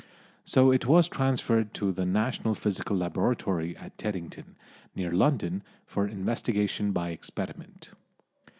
So it was transferred to the National Physical Laboratory at Teddington, near London, for investigation by experiment.